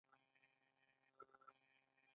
ښوونکي خپلو زده کوونکو ته نصیحت وکړ.